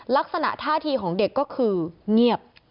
ลักษณะท่าทีของเด็กก็คือเงียบ